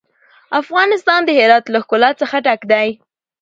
افغانستان د هرات له ښکلا څخه ډک دی.